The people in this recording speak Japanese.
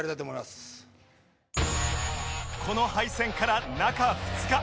この敗戦から中２日